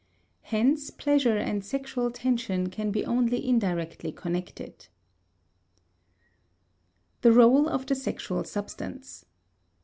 Hence, pleasure and sexual tension can be only indirectly connected. *The Rôle of the Sexual Substance.